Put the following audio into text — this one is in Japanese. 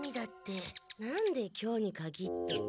何で今日にかぎって。